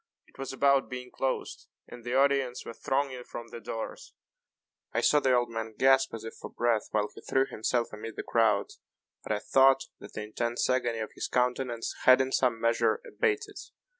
It was about being closed, and the audience were thronging from the doors. I saw the old man gasp as if for breath while he threw himself amid the crowd; but I thought that the intense agony of his countenance had, in some measure, abated.